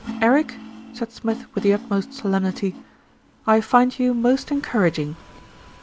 "Eric," said Smith with the utmost solemnity, "I find you most encouraging."